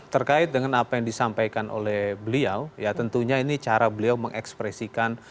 terkait dengan apa yang disampaikan oleh beliau ya tentunya ini cara beliau mengekspresikan